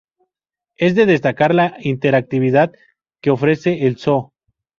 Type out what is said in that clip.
Es de destacar la interactividad que ofrece el Zoo.